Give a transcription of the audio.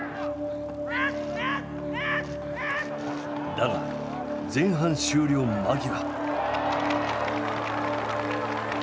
だが前半終了間際。